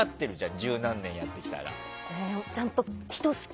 十何年やってきたら。